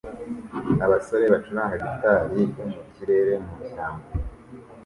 Abasore bacuranga gitari yo mu kirere mu ishyamba